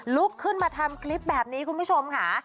ลุกขึ้นมาทำคลิปแบบนี้คุณผู้ชมค่ะ